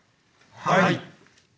はい。